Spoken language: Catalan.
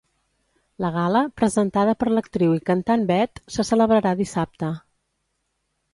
La gala, presentada per l'actriu i cantant Beth, se celebrarà dissabte.